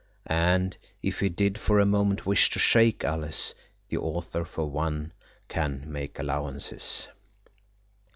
and, if he did for a moment wish to shake Alice, the author, for one, can make allowances.